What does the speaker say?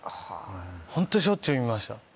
ホントしょっちゅう見ました。